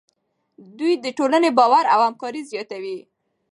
دوی د ټولنې باور او همکاري زیاتوي.